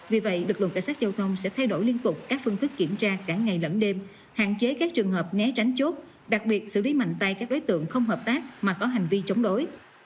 vì vậy lực lượng cảnh sát giao thông sẽ thay đổi liên tục các phương thức kiểm tra cả ngày lẫn đêm hạn chế các trường hợp né tránh chốt đặc biệt xử lý mạnh tay các đối tượng không hợp tác mà có hành vi chống đối